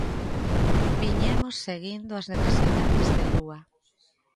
Viñemos seguindo as necesidades de Lúa.